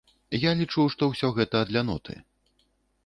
Я лічу, што ўсё гэта ад ляноты.